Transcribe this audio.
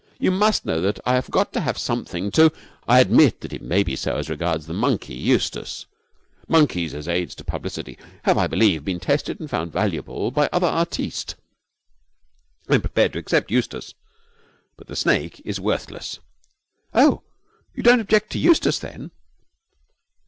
You must know that I have got to have something to ' 'I admit that may be so as regards the monkey, Eustace. Monkeys as aids to publicity have, I believe, been tested and found valuable by other artistes. I am prepared to accept Eustace, but the snake is worthless.' 'Oh, you don't object to Eustace, then?'